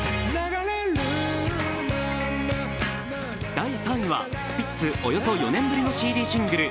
第３位は、スピッツおよそ４年ぶりのＣＤシングル。